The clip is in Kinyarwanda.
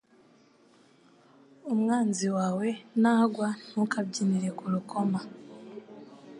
Umwanzi wawe nagwa ntukabyinire ku rukoma